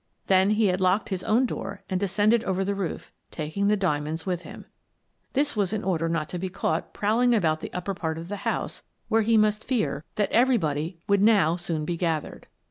Then he had locked his own door and descended over the roof, taking the diamonds with him. This was in order not to be caught prowling about the upper part of the house, where he must fear that every Mr. Fredericks Returns 73 body would now soon be gathered.